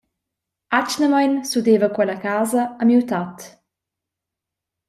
Atgnamein s’udeva quella casa a miu tat.